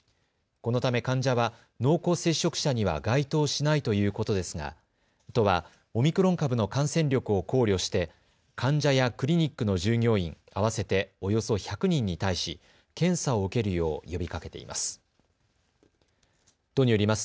このため患者は濃厚接触者には該当しないということですが都はオミクロン株の感染力を考慮して患者やクリニックの従業員合わせておよそ１００人に対し検査を受けるよう呼びかけています。